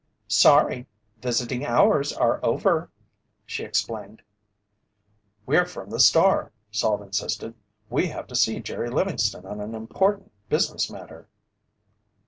"Sorry, visiting hours are over," she explained. "We're from the Star," Salt insisted. "We have to see Jerry Livingston on an important business matter."